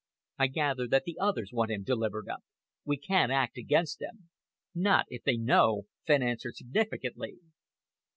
I gather that the others want him delivered up. We can't act against them." "Not if they know," Fenn answered significantly.